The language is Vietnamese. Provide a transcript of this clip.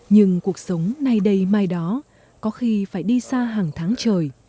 nhưng cuộc sống nay đây mai đó có khi phải đi xa hàng tháng trời